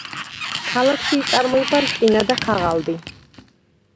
ქალაქში იწარმოება რკინა და ქაღალდი.